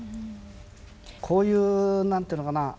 こういう何ていうのかなあ